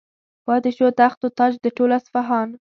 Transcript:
پاتې شو تخت و تاج د ټول اصفهان.